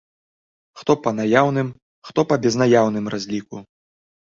Хто па наяўным, хто па безнаяўным разліку.